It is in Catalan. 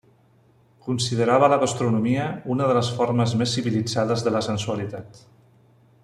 Considerava la gastronomia una de les formes més civilitzades de la sensualitat.